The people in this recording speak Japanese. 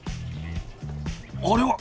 あれは！